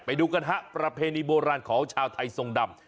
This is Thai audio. ไปดูกันฮะประเพณีโบราณของชาวไทยทรงดำ